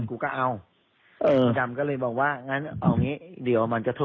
คุณมันไม่ฟังซึ่งสำคัญ